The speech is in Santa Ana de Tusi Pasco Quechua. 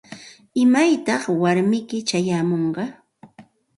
¿Imaytaq warmiyki chayamunqa?